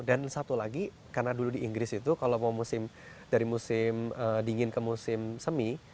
dan satu lagi karena dulu di inggris itu kalau mau musim dari musim dingin ke musim semi